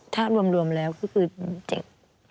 ถ้ารวมแล้วก็คือเจ็บ